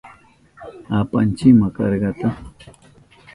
Apanchima karka.